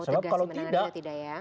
mau tegasi menenganinya atau tidak ya